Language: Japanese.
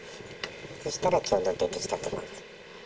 そうしたらちょうど出てきたところで。